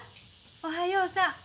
おはようさん。